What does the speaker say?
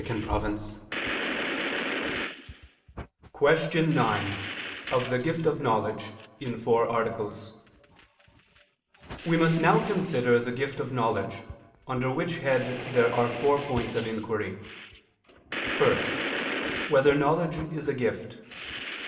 _______________________ QUESTION 9 OF THE GIFT OF KNOWLEDGE (In Four Articles) We must now consider the gift of knowledge, under which head there are four points of inquiry: (1) Whether knowledge is a gift?